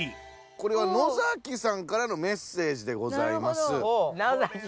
これは野崎さんからのメッセージでございます。